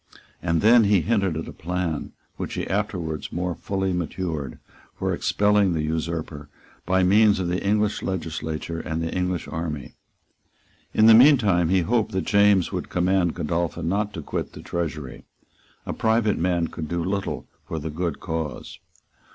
And then he hinted at a plan which he afterwards more fully matured, for expelling the usurper by means of the English legislature and the English army. In the meantime he hoped that James would command Godolphin not to quit the Treasury. A private man could do little for the good cause.